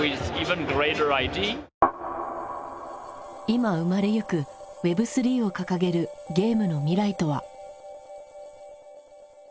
今生まれゆくＷｅｂ３を掲げるゲームの未来とは。